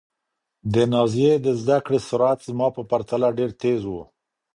د نازيې د زده کړې سرعت زما په پرتله ډېر تېز و.